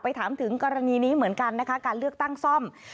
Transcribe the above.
ถามถึงกรณีนี้เหมือนกันนะคะการเลือกตั้งซ่อม